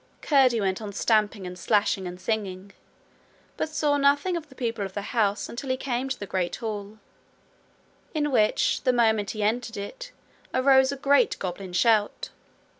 Curdie went on stamping and slashing and singing, but saw nothing of the people of the house until he came to the great hall, in which, the moment he entered it, arose a great goblin shout.